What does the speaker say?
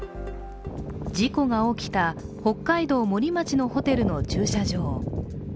事故が起きた北海道森町のホテルの駐車場。